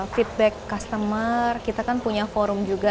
feedback customer kita kan punya forum juga